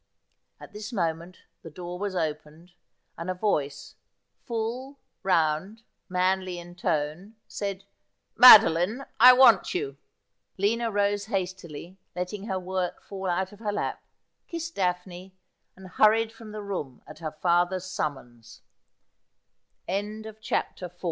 At this moment the door was opened, and a voice, full, round, manly in tone, said :' Madeline, I want you.' Lina rose hastily, letting her work fall out of her lap, kissed Daphne, and hurried from the room at her fat